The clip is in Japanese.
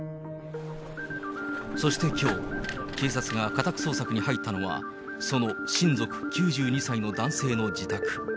そしてきょう、警察が家宅捜索に入ったのは、その親族９２歳の男性の自宅。